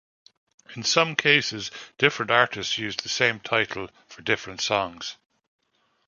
In some cases, different artists used the same title for different songs.